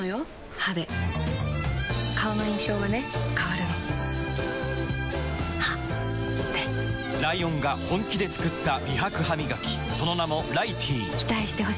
歯で顔の印象はね変わるの歯でライオンが本気で作った美白ハミガキその名も「ライティー」